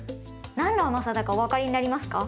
何の甘さだかお分かりになりますか？